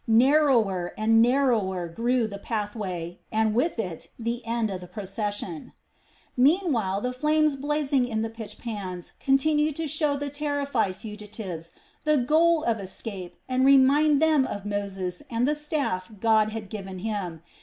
Narrower and narrower grew the pathway, and with it the end of the procession. Meanwhile the flames blazing in the pitch pans continued to show the terrified fugitives the goal of escape and remind them of Moses and the staff God had given him.